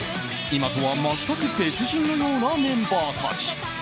今とは全く別人のようなメンバーたち。